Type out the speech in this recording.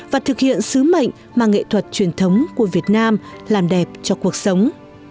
và thực hiện sứ mệnh mà nghệ thuật truyền thống của việt nam làm đẹp cho cuộc sống